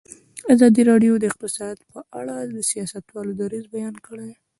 ازادي راډیو د اقتصاد په اړه د سیاستوالو دریځ بیان کړی.